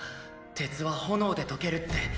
鉄は炎で溶けるって！